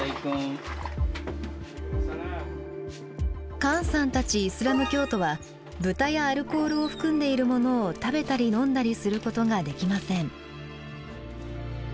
カーンさんたちイスラム教徒は豚やアルコールを含んでいるものを食べたり飲んだりすることができません。